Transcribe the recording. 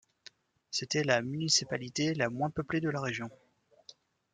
C'était la municipalité la moins peuplée de la région.